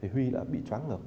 thì huy đã bị chóng ngợp